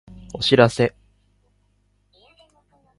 お知らせ